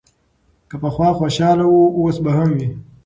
که پخوا خوشاله و، اوس به هم وي.